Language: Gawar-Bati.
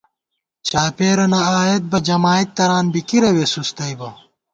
چاپېرَنہ آئیېت بہ، جمائید تران بی کِرَوے سُستئیبہ